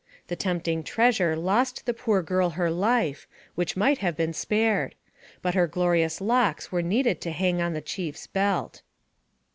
The tempting treasure lost the poor girl her life, which might have been spared; but her glorious locks were needed to hang on the chief's belt.